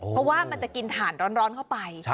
เพราะว่ามันจะกินถ่านร้อนเข้าไป